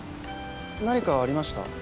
何かありました？